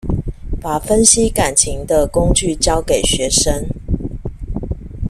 把分析感情的工具教給學生